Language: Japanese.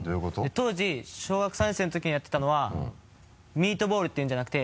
当時小学３年生のときにやってたのはミートボールって言うんじゃなくて。